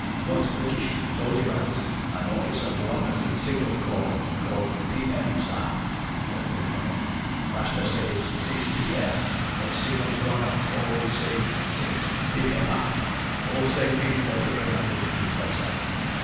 "What British soldier mans and officer bwanas in Signal Corps call 'p.m.,' sah," was the reply. "Master saying 'six p.m.,' but Signal Bwana always saying 'six pip emma'—all same meaning but different language, please God, sah.